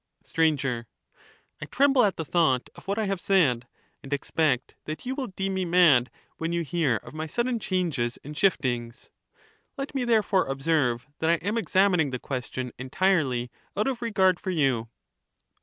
Str. I tremble at the thought of what I have said, and expect that you will deem me mad, when you hear of my sudden changes and shillings ; let me therefore observe, that I am examining the question entirely out of regard for you.